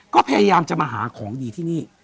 ก็พยายามจะมาหาของดีที่นี่